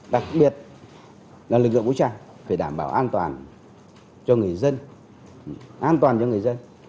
đặc biệt là lực lượng vũ trang phải đảm bảo an toàn cho người dân an toàn cho người dân